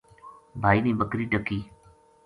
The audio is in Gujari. بھائی نے بکری ڈکی